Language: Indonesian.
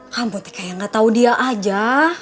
kamu tuh kayak gak tau dia aja